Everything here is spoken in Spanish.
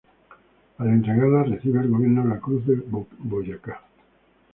Al entregarla, recibe del Gobierno la Cruz de Boyacá.